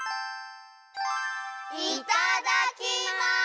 いただきます！